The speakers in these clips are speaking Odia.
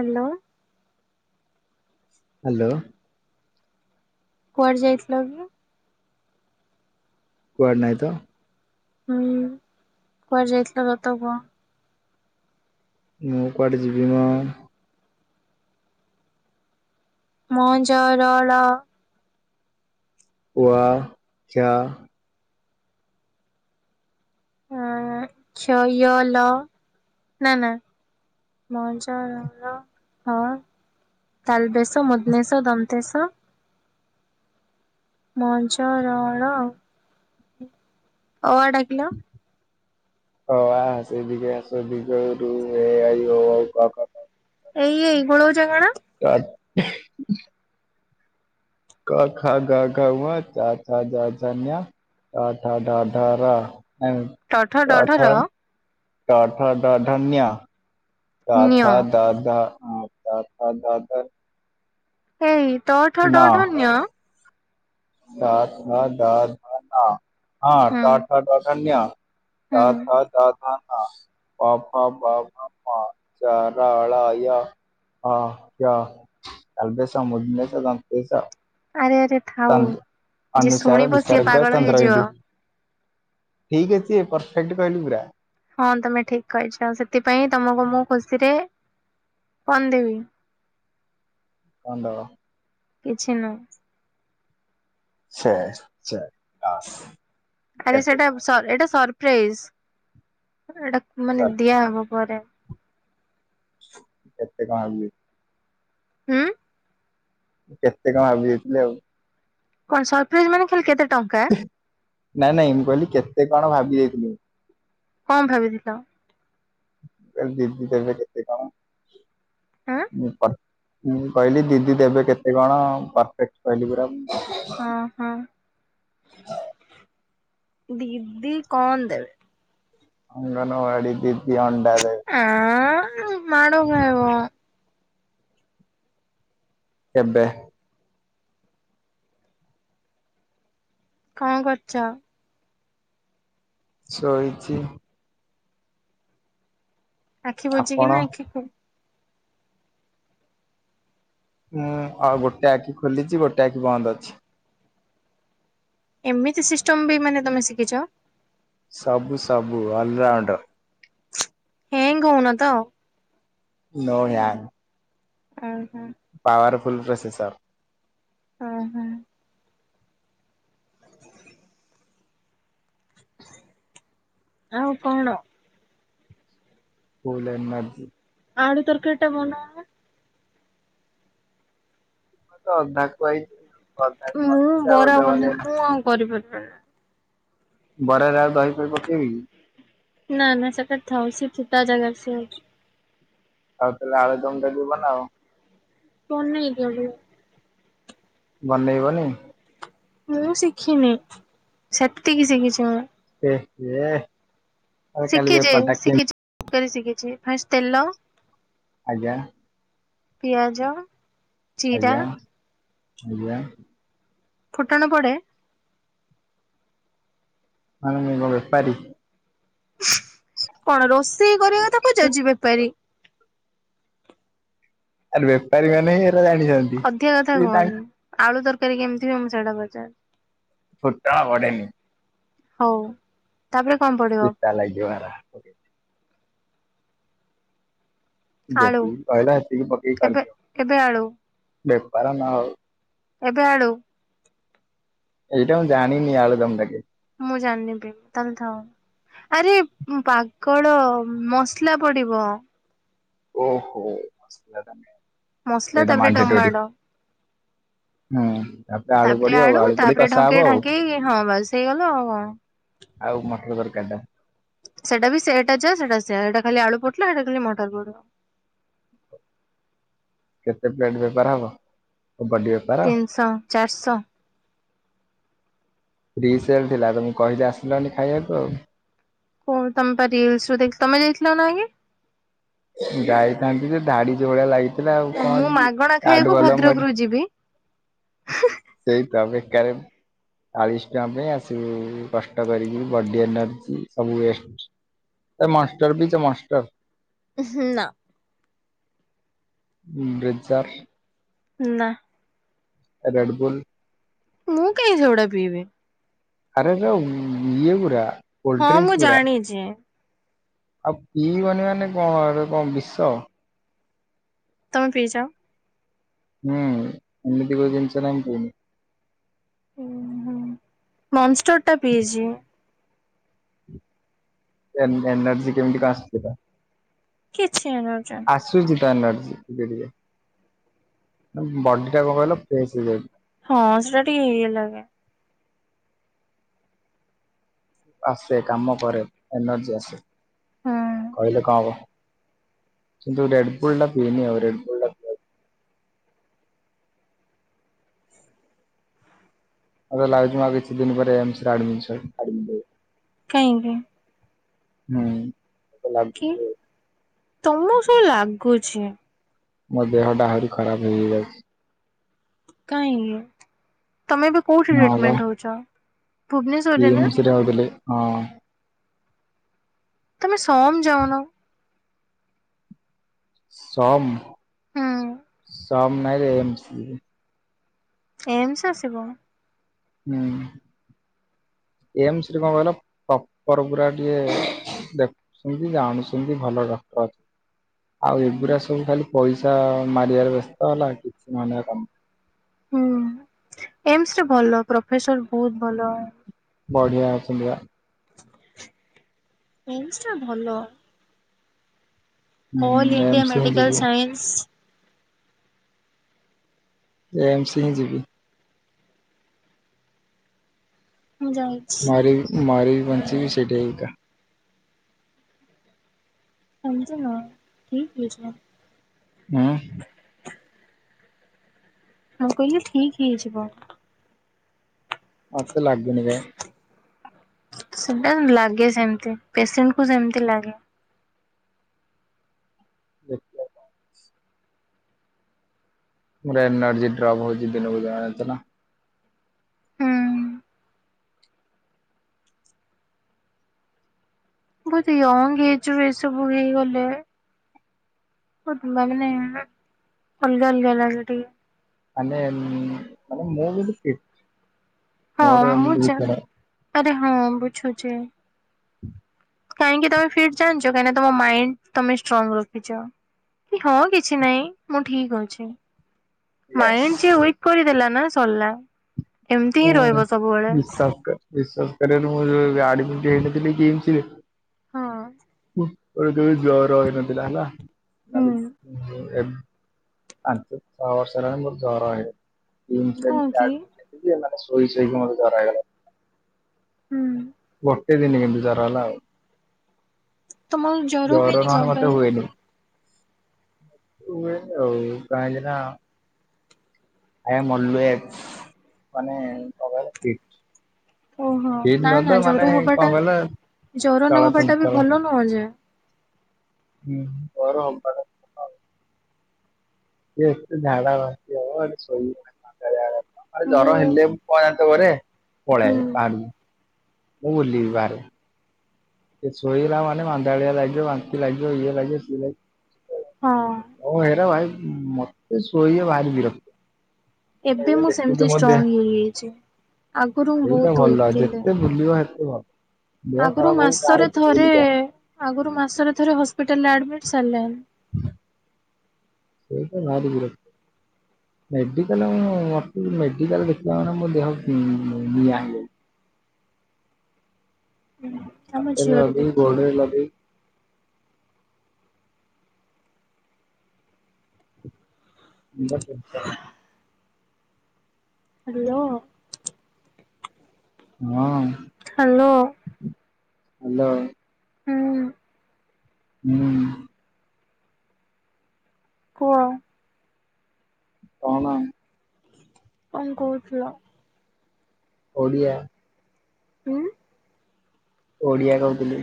ହାଲୋ। ହାଲୋ। କୁଆଡ଼ ଯାଇଥିଲ କି? କୁଆଡ଼େ ନାହିଁ ତ। ହୁଁ କୁଆଡ଼େ ଯାଇଥିଲ ସତ କୁହ? ମୁଁ କୁଆଡ଼େ ଯିବି ମ? ମ ଜ ର ଳ କୁଆ ଚାଆ ଅଁ ଆଁ କ୍ଷ ୟ ଲ ନା ନା ମ ଜ ର ଳ ହ ତାଲ ବେଶ, ମୁଧ ନେଶ, ଦନ୍ତେଶ ମଁ, ଜ, ର, ଳ ଅ ଆ ଡ଼ାକିଲ। ଅ, ଆ, ହସେଇ, ଦ୍ରିଘଇ, ହସଉ, ଦ୍ରିଘଉ, ରୁ, ଏ, ଅଇ, ଓ, ଅଉ, କ, ଖ ଘ ଏଇ ଏଇ ଗୋଳଉଚ କଣ [unintelligible] କ, ଖ, ଗ ଘ, ଙ, ଚ, ଛ, ଜ, ଝ, ଞ ଟ, ଠ, ଡ, ଢ, ର ଯାଇଁଲୁ କି? ଠ ଟ, ଡ ଢ ର ଠ, ଟ, ଠ, ଡ, ଢ, ଞ ତ, ନ୍ୟ ଥ, ଦ, ଧ, ଅଁ ତ, ଥ, ଦ, ଧ ଏଇ ଟ ଠ ଡ ଢ ନ୍ୟ? ତ ଥ ଦ ଧ ନ ହଁ ଟ ଠ ଡ ଢ ଞ। ତ, ହୁଁ ଥ, ଦ, ଧ, ନ ପ, ଫ, ବ, ଭ, ମ, ଯ, ର, ଳ, ୟ ହଁ ୟ ତାଲବେଶ, ମୁଧନେଶ, ଦନ୍ତେସ ଆରେ ଆରେ ଥାଉ ଚନ୍ଦ ଯିଏ ଅନୁସାର, ଶୁଣିବ ସିଏ ବିସର୍ଗ, ପାଗଳ ହେଇଯିବ। ଚନ୍ଦ୍ରବିନ୍ଦୁ। ଠିକ୍ ଅଛି ପରଫେକ୍ଟ କହିଲି ପୁରା। ହଁ ତମେ ଠିକ୍ କହିଛ ସେଥିପାଇଁ ତମକୁ ମୁଁ ଖୁସିରେ କଣ ଦେବି? କଣ ଦବ? କିଛି ନୁହୁଁ। ସେ ଛେ ଲସ୍ ଆରେ ସେଟା ସର୍ ଏଟା ସରପ୍ରାଇଜ ଆରେ ଏଟା ମାନେ ସରି ଦିଆହବ ପରେ। କେତେ କଣ ଆଣିବେ। ହୁଁ କେତେ କଣ ଭାବି ଯାଇଥିଲି ଆଉ। କଣ ସରପ୍ରାଇଜ ମାନେ ଖାଲି କେତେ ଟଙ୍କା? ନାଇଁ ନାଇଁ ମୁଁ କହିଲି କେତେ କଣ ଭାବି ଯାଇଥିଲି। କଣ ଭାବିଥିଲ? କହିଲି ଦିଦି ଦେବେ କେତେ କଣ ଆଁ [unintelligible] ମୁଁ ବି କହିଲି ଦିଦି ଦେବେ କେତେ କଣ ପରଫେକ୍ଟ କହିଲି ପୁରା ମୁଁ। ହଁ ହଁ ଦିଦି କଣ ଦେବେ? ଅଙ୍ଗନ ବାଡ଼ି ଦିଦି ଅଣ୍ଡା ଦେବେ। ଆଁ ଉଁ। [inaudible] କେବେ? କଣ କରୁଛ? ସୋଇଛି। ଆଖି ବୁଜିକି ଆପଣ ନା ଆଖି ଖୋ ହୁଁ ଆଉ ଗୋଟେ ଆଖି ଖୋଲିଛି ଗୋଟେ ଆଖି ବନ୍ଦ ଅଛି। ଏମିତି ସିଷ୍ଟମ ବି ମାନେ ତମେ ଶିଖିଛ? ସବୁ ସବୁ ଅଲରାଉଣ୍ଡର। ହେ [unintelligible] କହୁନ ତ? ନୋ [unintelligible] ଅହ। Powerful processor. ଅ ହଁ। [inaudible] ଆଉ କଣ? Full energy. ଆଳୁ ତରକାରିଟା ବନା। ମୁଁ ତ ଅଧା କୁହା [unintelligible] ମୁଁ ବରା ବନେଇବି ମୁଁ ଆଉ କରିପାରିବିନି। ବରା ରେ ଆଉ ଦହି ପହି ପକେଇବି କି? ନା ନା ସେଟା ଥାଉ ସେଠି ତା ଜାଗାରେ ସେ ଅଛି। ଆଉ ତାହେଲେ ଆଳୁ ଦମ ଟା ବି ବନାଅ। ବନେଇ ଦିଅ ଟିକେ। ବନେଇବନି? ମୁଁ ଶିଖିନି। ସେତିକି ଶିଖିଛି ମୁଁ। ଏ ହେ। ଶିଖିଛି ଶିଖିଛି [inaudible] ଶିଖିଛି ଫାଷ୍ଟ ତେଲ ଆଜ୍ଞା। ପିଆଜ। ଜିରା ଆଜ୍ଞା ଆଜ୍ଞା। ଫୁଟଣ ପଡ଼େ? ମାନେ ମୁଁ କଣ ବେପାରୀ? କଣ ରୋଷେଇ କରିବା କଥା ପଚାରୁଛି ବେପାରୀ। ଆରେ ବେପାରୀ ମାନେ ହିଁ ଏରା ଜାଣିଛନ୍ତି। ଅଧିକ କଥା ସେ ତାଙ୍କ କୁହନି। ଆଳୁ ତରକାରୀ କେମିତି ହୁଏ ମୁଁ ସେଇଟା ପଚାର୍ ଫୁଟଣ ପଡ଼େନି। ହଉ। ତାପରେ କଣ ପଡେ? ପିତା ଲାଗିବ ସେରା। ଆଳୁ ଯେତିି କହିଲ ଏତିକି ପକେଇ ଏବେ କରିଦିଆ ଏବେ ଆଳୁ ବେପାର ନହଉ। ଏବେ ଆଳୁ ଏଇଟା ମୁଁ ଜାଣିନି ଆଳୁ ଦମଟା କେ ମୁଁ ଜାଣିନି ବି ତମେ ଥାଅ। ଆରେ ପାଗଳ ମସଲା ପଡିବ। ଓହୋ ମସଲା ଟା ମେନ୍। ମସଲା ତାପରେ ଟମାଟୋ। [inaudible] ହୁଁ ତାପରେ ଆଳୁ ପଡିବ ଆଉ। ଆଳୁ ପଡିକି ତାପରେ କଷା ଢଙ୍କେଇ ହବ ଆଉ। ଢାଙ୍କେଇ ହଁ ବାସ୍ ହେଇଗଲା ଆଉ କଣ। ଆଉ ମଟର ତରକାରିଟା। ସେଟା ବି ସେଇଟା ଯା ସେଟା ସେଇଟା ଖାଲି ଆଳୁ ପଡିଲା ସେଇଟା ଖାଲି ମଟର ପଡିବ। କେତେ ପ୍ଲେଟ ବେପାର ହବ? କବାଡିଆ ର ତିନିଶହ, ଚାରିଶହ। ଫ୍ରିସେଲ ଥିଲା ତମକୁ କହିଲି ଆସିଲନି ଖାଇବାକୁ ଆଉ। କଣ ତମେ ପା ରିଲସ୍ ରୁ ଦେ ତମେ ଯାଇଥିଲ ନା ଆଗେ? ମୁଁ ଯାଇଥାନ୍ତି ଯେ ଧାଡି ଯେ ଭଳିଆ ଲାଗି ମୁଁ ମାଗଣା ଖାଇବାକୁ ଏଠି ଭଦ୍ରକରୁୁ ଯିବି। ସେଇତ ବେକରେ ଚାଳିଶ ଟଙ୍କା ପାଇଁ ଆସିବୁ କଷ୍ଟ କରିକି ବଡି ଏନର୍ଜି ସବୁ ୱେଷ୍ଟ। ସେ ମଷ୍ଟର ପିଇଛ ମଷ୍ଟର? ଉହୁଁ ନା। ବ୍ରିଜର୍। ନା। ରେଡବୁଲ୍। ମୁଁ କାଇଁ ସେଗୁଡା ପିଇବି? ଆରେ ସେ ଇଏ ଗୁୁରା ହଁ ମୁଁ କୋଲ୍ଡଡ୍ରିଂଙ୍କସ ଗୁରା ଜାଣିଛି। ଆଉ ପିଇବନି ମାନେ କଣ ଏଗୁଡା କଣ ବିଷ? ତମେ ପିଇଛ? ହୁଁ ଏମିତି କୋଉ ଜିନିଷ ନାହିଁ ମୁଁ ପିଇନୀ। ଉ ହୁଁ ମନଷ୍ଟର ଟା ପିଇଛି। ଏ ଏନର୍ଜି କେିମି଼ତି ବା ଆସୁଥିଲା କିଛି ନଜେ। ଆସୁଛି ତ ଏନର୍ଜି ଟିକେ ଟିକେ ବଡି ଟା କଣ କହିଲ ଫ୍ରେଶ ହେଇଯାଉଛି। ହଁ ସେଟା ଟିକେ ଇଏ ଲାଗେ। ଆସେ କାମ କରେ ଏନର୍ଜି ଆସେ ହୁଁ କହିଲେ କଣ ହବ। ଯୋଉ ରେଡ୍ ବୁଲ୍ ଟା ପିଇନି ଆଉ ରେଡ୍ ବୁଲ୍ ମତେ ଲାଗୁଛି ମୁଁ କିଛି ଦିନ ପରେ ଏମ୍ସ ରେ ଆଡ଼ମିଶନ ଆଡମିଟ ହେବି। କାଇଁକି? ହୁଁ ମତେ କି ଲାଗୁଛି ଆଉ। ତମକୁ ସେଇ ଲାଗୁଛି। ମୋ ଦେହଟା ଆହୁରି ଖରାପ ହେଇ ହେଇ ଯାଉଛି। କାହିଁକି ତମେ ଏବେ କୋଉଠି ଟ୍ରିଟମେଣ୍ଟ ହଉଛ? କିଏ ଭୁବନେଶ୍ୱରରେ ନା ଏମ୍ସରେ ରୋହୁଥିଲେ ହଁ। ତମେ ସମ୍ ଯାଉନ। ସମ୍ ହୁଁ ସମ୍ ନାହିଁରେ ଏମଜିବି ଏମ୍ସ ଆସିବ। ହୁଁ ଏମ୍ସରେ କଣ କହିଲ ପ୍ରପର ପୁରା ଟିକେ ଦେ ସେମିତି ଜାଣୁଛନ୍ତି ଭଲ ଡକ୍ଟର ଆଉ ହୁଁ ଏଗୁଡା ସବୁ ଖାଲି ପଇସା ମାରିବାର ବ୍ୟସ୍ତ ହେଲା କିଛି ମାନେ କାମ ହୁଁ ଏମ୍ସରେ ଭଲ ପ୍ରଫେସର ବହୁତ ଭଲ। ବଢ଼ିଆ ଅଛନ୍ତି ବା। ଏମ୍ସଟା ଭଲ ଅଲ୍ ହୁଁ ଇଣ୍ଡିଆ ଏମ୍ସ ହିଁ ମେଡ଼ିକାଲ୍ ଯିବି ସାଇନ୍ସ ଏମ୍ସ ହିଁ ଯିବି। ମୁ ଯାଉଛି। ମରି ମରି ବଞ୍ଚିବି ସେଇଟା ହିଁ ଏକା [unintelligible] ହୁଁ ହଉ କହିଲେ ଠିକ୍ ହେଇଯିବ। ଆଉ ତେ ଲାଗୁନି କାଇଁ ସେଟା ଲାଗେ ସେମିତି ପେସେଣ୍ଟ କୁ ସେମିତି ଲାଗେ। ଦେଖିଆ କଣ ହଉଛି। ମୋର ଏନର୍ଜି ଡ୍ରପ ହଉଛି ଦିନକୁ ଦିନ ଜାଣିଛ ନାଁ। ହୁଁ ବହୁତ ୟଙ୍ଗ ହେଇଛୁ ଏସବୁ ହେଇଗଲେ [unintelligible] ଅଲଗା ଅଲଗା ଲାଗେ ଟିକେ। ମାନେ ମାନେ ମୁଁ କିନ୍ତୁ ଠିକ୍। ହଁ ମୁଁ ଯ ଆରେ ହଁ ବୁଝୁଚି। ହୁଁ କାହିଁକି ତମେ ଫିଟ୍ ଜାଣିଛ କାହିଁକି ତମ ମାଇଣ୍ଡ ତମେ ଷ୍ଟ୍ରଙ୍ଗ ରଖିଛ। କି ହଁ କିଛି ନାହିଁ ମୁଁ ଠିକ୍ ଅଛି। Mind Yes. ଯିଏ ୱେଟ୍ କରିଦେଲା ନା ସରିଲା ଏମିତି ହିଁ ରହିବ ସବୁବେଳେ। ଶଙ୍କର ବିଶ୍ୱାସ କରିବନି ମୁ ଆଡିମିଟି ହେଇନଥିଲି କି ଏମ୍ସରେ। ହଁ କେବେ କେବେ ଜର ହେଇନଥିଲା ନା ହୁଁ [unintelligible] ପାଞ୍ଚ ଛଅ ବର୍ଷ ହେଲାଣି ମତେ ଜର [unintelligible] କିମ୍ସରେ ହଁ କି [unintelligible] ଶୋଇ ଶୋଇକି ମତେ ଜର ହେଇଗଲା। ହୁଁ ଗୋଟେ ଦିନ କିନ୍ତୁ ଜର ହେଲା ଆଉ ତମର ଜର ହୁଏନି କଣ ନହଲେ ପାଇଁ? ମତେ ହୁଏନି। ହୁଏନି ଆଉ। କାହିଁକି ନାଁ ଆଜ୍ଞା ମଲୁଏଜ୍ ମାନେ କଣ କହିଲ ଫିଟ୍। ଓହୋ ନା [unintelligible] ନା ଜର ମାନେ କଣ ହବାଟା କହିଲ ଚଳ ଚଞ୍ଚଳ। କ ଯେ ହୁଁ ବର ପା ସିଏ ଏତେ ଝାଡ଼ା ବାନ୍ତି ହବ। ମୁଁ ହୁଁ [unintelligible] [unintelligible] ମୁଁ ବୁଲିବି ବାହାରେ। ସିଏ ଶୋଇଲା ମାନେ ମାନ୍ଦାଳିଆ ଲାଗିବ ବାନ୍ତି ଲାଗିବ ଇଏ ଲାଗିବ ସିଏ ଲାଗିବ ହଁ ହଉ ହେରା ଭାଇ ମତେ ଶୋଇ ବାହାରି ବିରକ୍ତ। ଏବେ ଏଇନା ମୁଁ ଦେଖୁଛ ସେମିତି ମୋ ଦେହ ଷ୍ଟ୍ରଙ୍ଗ ହେଇଯାଇଛି ଆଗରୁ ମୁଁ ବହୁତ ୱିକି ଥିଲ ବୁଲିବା ହେତେ ଭଲ ଦେହ ଖରାପ ହଉ [unintelligible] ମାସରେ ଥରେ ବୁଲିକା ଆଗରୁ ମାସରେ ଥରେ ହସ୍ପିଟାଲ ରେ ଆଡମିଟ ସାରିଲେଣି ସେଇଟା ଭାରି ବିରକ୍ତି ମେଡିକାଲଁ ମେଡିକାଲ ଦେଖିଲା ମାନେ ମୋ ଦେହ ନିଆଁ ହେଇଯ ଆମ ହାତରେ ଝିଅର ବି ଲଗେଇ ଗୋଡୋ ରେ ଲଗେଇ ମୁଣ୍ଡ ଟେଂସନ୍ ହ୍ୟାଲୋ ହଁ ହ୍ୟାଲୋ ହ୍ୟାଲୋ ହୁଁ ହୁଁ ପୁଅ କଣ କଣ କହୁଥିଲ ଓଡ଼ିଆ ହୁଁ ଓଡିଆ କହୁଥିଲି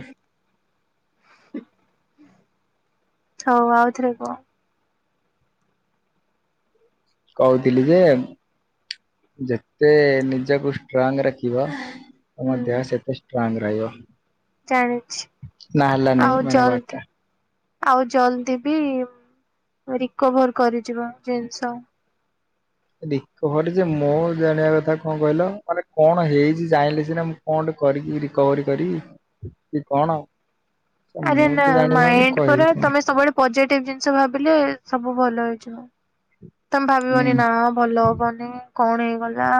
ହଉ ଆଉଥରେ କୁହ କହୁଥିଲି ଯେ ଯେତେ ନିଜକୁ ଷ୍ଟ୍ରଙ୍ଗ ରଖିବ ତମ ହୁଁ ଦେହ ସେତେ ଷ୍ଟ୍ରଙ୍ଗ ରହିବ ଜାଣିଛି ନା ହେଲାନି ଆଉ ମାନେ ୱାର୍ଡ ଜଲଦି ଟା ଆଉ ଜଲଦି ବି ରିକଭର କରିଯିବ ଜିନିଷ ରି ଘରେ ଯେ ମୁଁ ଜାଣିବା କଥା କଣ କହିଲ ମାନେ କଣ ହେଇଛି ଜାଣିଲେ ସିନା ମୁ ଫଣ୍ଡ କରି ରିକବରି କରି କି କଣ ଆରେ ମୁଁ ନା ତ ଜାଣିପାରୁନି ମାଇଣ୍ଡ ପରା କହିବି କଣ ତମେ ସବୁବେଳେ ପଜେଟିଭ ଜିନିଷ ଭାବିଲେ ସବୁ ଭଲ ହେଇଯିବ ତମେ ହୁଁ ଭାବିବନି ନା ଭଲ ହବନି କଣ ହେଇଗଲା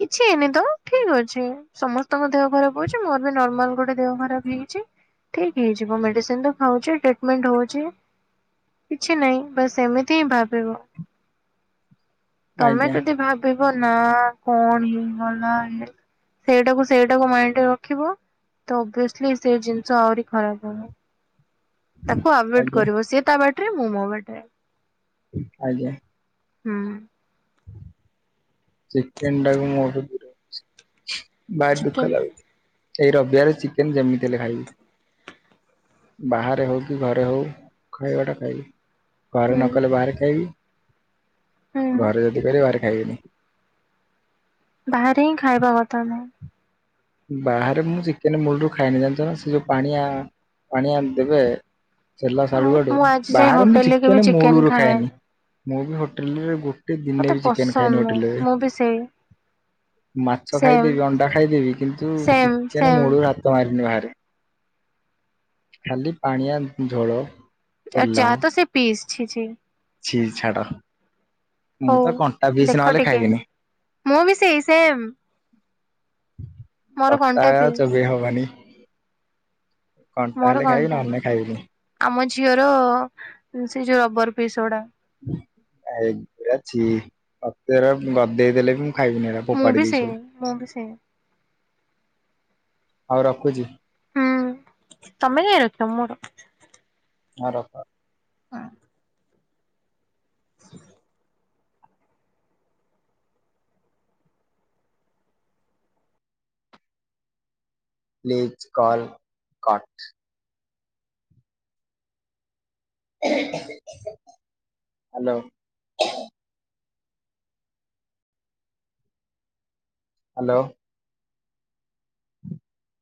କିଛି ହେଇନି ତ ଠିକ ଅଛି ସମସ୍ତଙ୍କ ଦେହ ଖରାପ ହଉଛି ମୋର ବି ନର୍ମାଲ ଗୋଟେ ଦେହ ଖରାପ ହେଇଛି ଠିକ ହେଇଯିବ ମେଡିସିନ ତ ଖାଉଛିଟିଟିମେଣ୍ଟ ହଉଛି କିଛି ନାହିଁ ବାସ୍ ଏମିତି ହିଁ ଭାବିବ ତମେ ଆଜ୍ଞା ଯଦି ଭାବିବ ନା କଣ ହେଇଗଲା ସେଇଟାକୁ ସେଇଟାକୁ ମାଇଣ୍ଡରେ ରଖିବ ତଭିସଲି ସେ ଜିନିଷ ଆହୁରି ଖରାପ ହନ ତାକୁ ଆଭେ ଏ ଡେ ଆଜ୍ଞା କରିବ ସିଏ ତା ବାଟରେ ମୁଁ ମୋ ବାଟରେ ଆଜ୍ଞା ହୁଁ ଚିକେନ ଟାକୁ [unintelligible] ଭାରି ଦୁଃଖ ଲାଗୁଛି ଏଇ ରବିବାରେ ଚିକେନ ଯେମିତି ହେଲେ ଖାଇବି ବାହାରେ ହଉ କି ଘରେ ହଉ ଖାଇବାଟା ଖାଇବି ଘରେ ହୁଁ ନ କଲେ ବାହାରେ ଖାଇବି ହୁଁ ଘରେ ଯଦି କରିବେ ବାହାର ଖାଇବେନି ବାହରେ ହଁ ଖାଇବାକଥା ନୁହେଁ ବାହାରେ ମୁଁ ଚିକେନ ମୂଲରୁ ଖାଇନି ଜାଣିଛ ନା ସେ ଯୋଉ ପାଣିଆ ପାଣିଆ ଦେବେ ସେଲା ସଡୁ ବାଡୁ ମୁଁ ଆଜି ଯାଏ ବାହାରେ ମୁଁ ହୋଟେଲରେ କେବେ ଚିକେନ ମୁଳୁରୁ ଖାଏନି ମୁ ବି ହୋଟେଲରେ ଗୋ ଗୋଟେ ମତେ ଦିନେ ବି ଚିକେନ ଖାଇନି ପସନ୍ଦ ନୁହଁ ହୋଟେଲରେ। ମୁଁ ବି ସେଇ ମାଛ ସେମ୍ ଖାଇଦେବି, ଅଣ୍ଡା ଖାଇଦେବି, କିନ୍ତୁ ସେମ୍ ଚିକେନ ସେମ୍ ମୁଳୁ ହାତ ମାରିନି ବାହାରେ। ଖାଲି ପାଣିଆ ଝୋଳ। ଆଉ ତେଲ ଚା ତ ସେ ପିସଛି ଛି ଛି। ଛି ଛାଡ଼। ହଉ ଦେଖ ନହେଲେ ଟିକେ। ଖାଇବିନି। ମୁଁ ବି ସେଇ ସେମ୍। ମୋର କଣ୍ଟା ସପ୍ତାହ ପିସ୍ ଚଲେଇ ହବନି। କଣ୍ଟା ହେଲେ ଖାଇବି ନହେଲେ ନାଇଁ ଖାଇବିନି। ଆମ ଝିଅର ସେଇ ଯୋଉ ରବର ପିସ ଗୁଡ଼ା। ଏ ଏରା ଛି! ମତେ ଏରା ଗଦେଇ ଦେଲେ ବି ମୁଁ ଖାଇବିନି ଏରା। ମୁଁ ଫୋପାଡ଼ି ବି ଦେବି ସେଇ ସବୁ। ମୁଁ ବି ସେଇ ହୋଉ ରଖୁଛି। ହୁଁ ତମେ କାଇଁ ରଖିବ ମୁଁ ରଖୁଛି। ହଁ ରଖ। ହଁ। [inaudible] Please call cut. Hello. Hello. [inaudible]